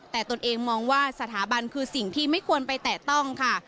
แต่ตนเองมองว่าสถาบันคือสิ่งที่ไม่ควรไปแตะต้องค่ะ